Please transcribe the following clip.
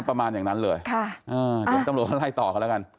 ประมาณอย่างนั้นเลยเดี๋ยวตำรวจก็ไล่ต่อกันแล้วกัน